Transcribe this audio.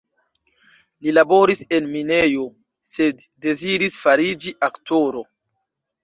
Li laboris en minejo, sed deziris fariĝi aktoro.